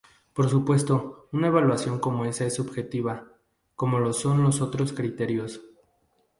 Por supuesto, una evaluación como esa es subjetiva, como lo son los otros criterios.